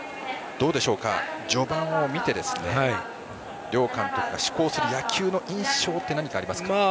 序盤を見て両監督が志向する野球の印象って何かありますか。